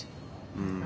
うん。